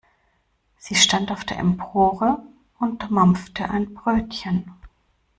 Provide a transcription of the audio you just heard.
Sie stand auf der Empore und mampfte ein Brötchen.